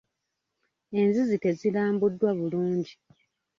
Enzizi tezirambuddwa bulungi.